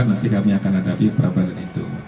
nanti kami akan hadapi prambanan itu